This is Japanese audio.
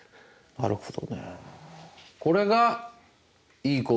なるほど。